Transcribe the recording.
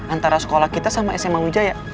antara sekolah kita sama sma wijaya